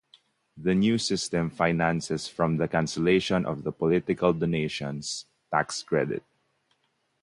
The new system finances from the cancellation of the political donations tax credit.